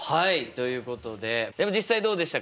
ということででも実際どうでしたか？